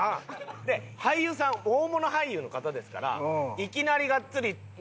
で俳優さん大物俳優の方ですからいきなりガッツリなあ？